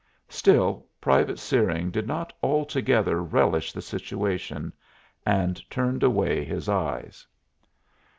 Still, Private Searing did not altogether relish the situation, and turned away his eyes.